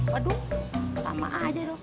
waduh lama aja dong